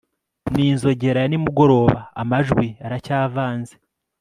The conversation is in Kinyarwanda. n'inzogera ya nimugoroba amajwi aracyavanze